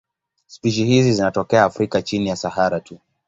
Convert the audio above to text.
Spishi hizi zinatokea Afrika chini ya Sahara tu.